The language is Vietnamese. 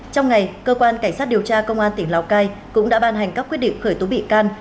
trong ngày cơ quan cảnh sát điều tra công an tỉnh lào cai cũng đã ban hành các quyết định khởi tố bị can